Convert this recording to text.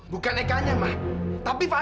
bukan ekanya ma tapi fadil